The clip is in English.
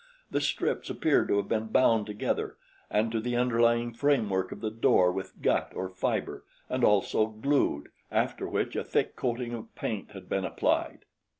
The strips appeared to have been bound together and to the underlying framework of the door with gut or fiber and also glued, after which a thick coating of paint had been applied.